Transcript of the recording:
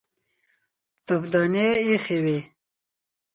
تفدانۍ ايښې وې.